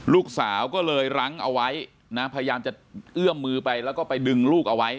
ลูกสาวก็เลยรั้งเอาไว้นะพยายามจะเอื้อมมือไปแล้วก็ไปดึงลูกเอาไว้